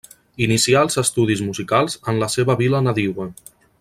Inicià els estudis musicals en la seva vila nadiua.